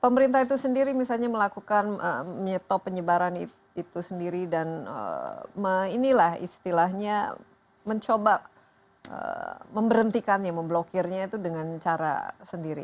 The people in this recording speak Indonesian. pemerintah itu sendiri misalnya melakukan menyetop penyebaran itu sendiri dan inilah istilahnya mencoba memberhentikannya memblokirnya itu dengan cara sendiri